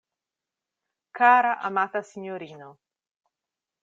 Kara, amata sinjorino!